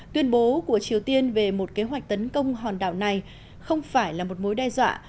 tuyên bố của triều tiên về một kế hoạch tấn công hòn đảo này không phải là một mối đe dọa